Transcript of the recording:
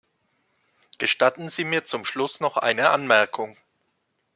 Gestatten Sie mir zum Schluss noch eine Anmerkung.